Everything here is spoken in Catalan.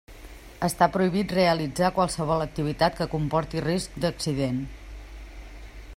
Està prohibit realitzar qualsevol activitat que comporti risc d'accident.